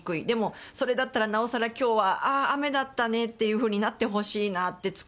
でも、それだったらなおさら今日は雨だったねというふうになってほしいなと。